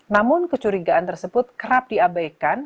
namun kecurigaan tersebut kerap diabaikan